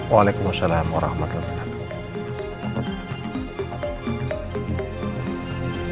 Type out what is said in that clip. waalaikumsalam warahmatullahi wabarakatuh